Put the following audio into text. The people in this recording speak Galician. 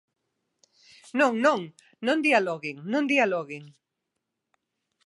Non, non, non dialoguen, non dialoguen.